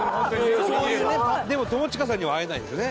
でも友近さんには会えないんですね